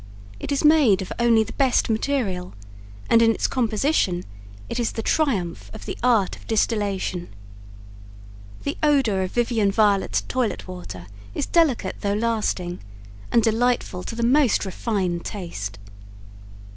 It is made of only the best material, and in its composition it is the triumph of the art of distillation, The odor of Vivian Violet Toilet Water is delicate though lasting and delightful to the most refined taste.